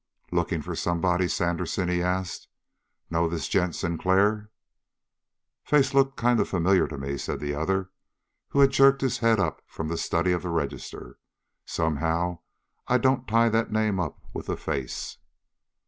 "Looking for somebody, Sandersen?" he asked. "Know this gent Sinclair?" "Face looked kind of familiar to me," said the other, who had jerked his head up from the study of the register. "Somehow I don't tie that name up with the face."